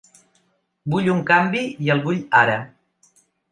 Vull un canvi i el vull ara.